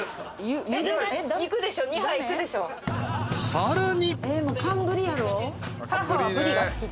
［さらに］